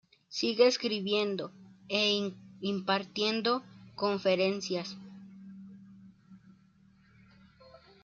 Sigue escribiendo e impartiendo conferencias.